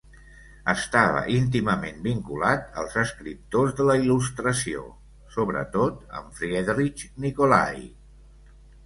Estava íntimament vinculat als escriptors de la il·lustració, sobretot amb Friedrich Nicolai.